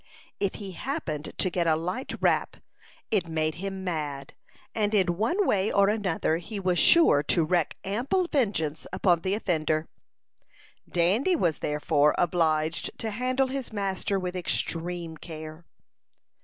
If he happened to get a light rap, it made him mad; and in one way or another he was sure to wreak ample vengeance upon the offender. Dandy was therefore obliged to handle his master with extreme care.